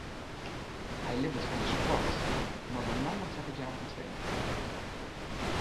Hy libbet fan de sport, mar benammen troch it jaan fan trainingen.